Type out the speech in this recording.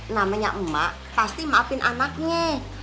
namanya emak pasti maafin anaknya